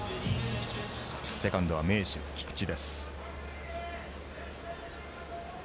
セカンドは、名手の菊池。